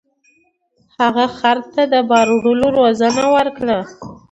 هغه خر ته د بار وړلو روزنه ورکړه.